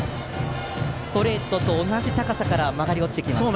ストレートと同じ高さから曲がり落ちてきます。